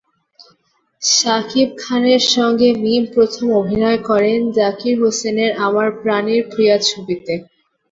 শাকিব খানের সঙ্গে মিম প্রথম অভিনয় করেন জাকির হোসেনের আমার প্রাণের প্রিয়া ছবিতে।